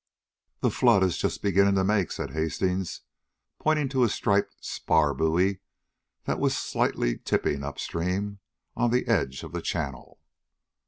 "The flood is just beginning to make," said Hastings, pointing to a striped spar buoy that was slightly tipping up stream on the edge of the channel.